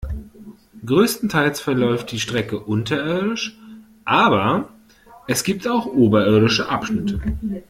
Größtenteils verläuft die Strecke unterirdisch, aber es gibt auch oberirdische Abschnitte.